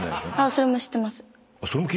それも知ってます。